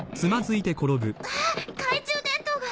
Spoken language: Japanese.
あっ懐中電灯が！